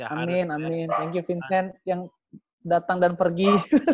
amin amin thank you vincent yang datang dan pergi